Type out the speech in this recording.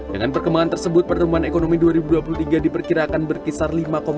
dengan perkembangan tersebut pertumbuhan ekonomi dua ribu dua puluh tiga diperkirakan berkisar lima dua